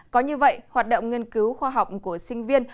có như vậy hoạt động nghiên cứu khoa học của sinh viên